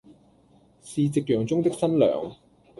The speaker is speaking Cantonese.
是夕陽中的新娘